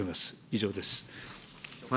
以上です。